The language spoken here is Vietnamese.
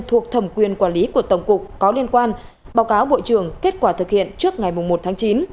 thuộc thẩm quyền quản lý của tổng cục có liên quan báo cáo bộ trưởng kết quả thực hiện trước ngày một tháng chín